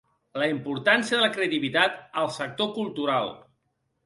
La importància de la creativitat en el sector cultural.